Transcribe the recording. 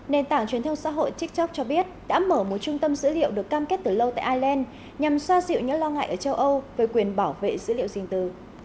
nền tảng truyền thông xã hội tiktok cho biết đã mở một trung tâm dữ liệu được cam kết từ lâu tại ireland nhằm xoa dịu những lo ngại ở châu âu về quyền bảo vệ dữ liệu sinh tử